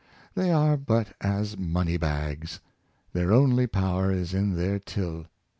^ They are but as money bags : their only power is in their till.